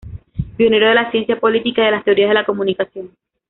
Pionero de la Ciencia política y de las teorías de la comunicación.